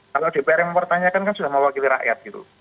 kalau dpr yang mempertanyakan kan sudah mewakili rakyat gitu